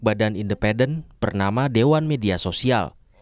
badan independen bernama dewan media sosial